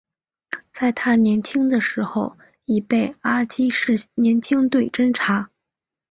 在他年轻的时候已被阿积士青年队侦察。